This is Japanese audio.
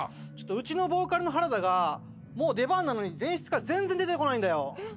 うちのボーカルの原田がもう出番なのに前室から全然出てこないんだよ。